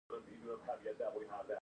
آیا د تبریز او اصفهان غالۍ ځانګړې نه دي؟